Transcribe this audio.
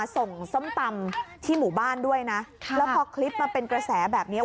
ส้มตำที่หมู่บ้านด้วยนะแล้วพอคลิปมาเป็นกระแสแบบเนี้ย